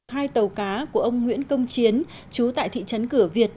hai tàu cá của ông nguyễn công chiến chú tại thị trấn cửa việt